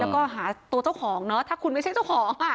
แล้วก็หาตัวเจ้าของเนอะถ้าคุณไม่ใช่เจ้าของอ่ะ